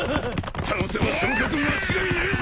倒せば昇格間違いねえぞ！